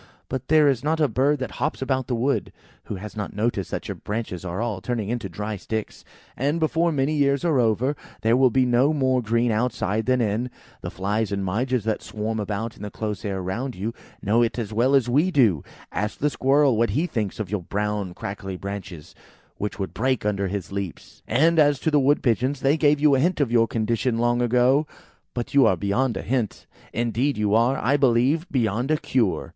But there is not a bird that hops about the wood, who has not noticed that your branches are all turning into dry sticks; and before many years are over, there will be no more green outside than in. The flies and midges that swarm about in the close air round you, know it as well as we do. Ask the Squirrel what he thinks of your brown crackly branches, which would break under his leaps. And as to the Wood pigeons, they gave you a hint of your condition long ago. But you are beyond a hint. Indeed, you are, I believe, beyond a cure."